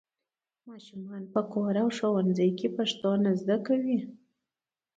ماشومان په کور او ښوونځي کې پښتو نه زده کوي.